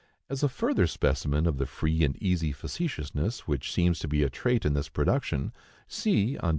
As a further specimen of the free and easy facetiousness which seems to be a trait in this production, see, on p.